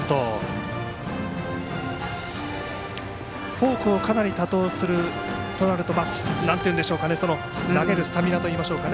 フォークをかなり多投するとなると投げるスタミナといいましょうか。